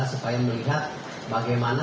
supaya melihat bagaimana